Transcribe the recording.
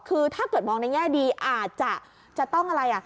คือถ้าเกิดมองในแง่ดีอาจจะจะต้องอะไร